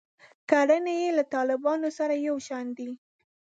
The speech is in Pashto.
کړنې یې له طالبانو سره یو شان دي.